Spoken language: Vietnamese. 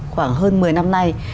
khoảng hơn một mươi năm nay